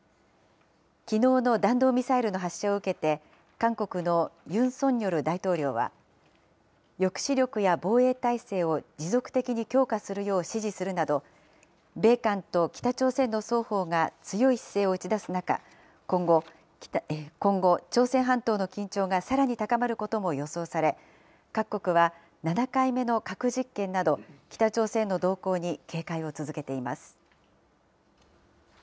きのうの弾道ミサイルの発射を受けて韓国のユン・ソンニョル大統領は、抑止力や防衛態勢を持続的に強化するよう指示するなど、米韓と北朝鮮の双方が強い姿勢を打ち出す中、今後、朝鮮半島の緊張がさらに高まることも予想され、各国は７回目の核実験など、北朝鮮の動向に警戒を続けています。